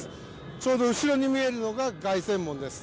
ちょうど後ろに見えるのが凱旋門です。